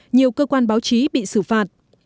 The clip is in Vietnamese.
nhiều cơ quan báo chí bị xử phạt